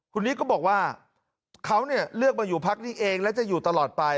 คุณนิกก็บอกว่าเขาเนี่ยเลือกมาอยู่พักนี้เองและจะอยู่ตลอดไป